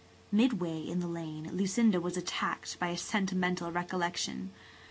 Midway in the lane Lucinda was attacked by a sentimental recollection.